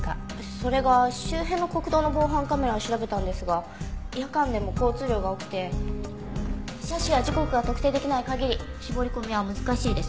それが周辺の国道の防犯カメラを調べたんですが夜間でも交通量が多くて車種や時刻が特定できない限り絞り込みは難しいです。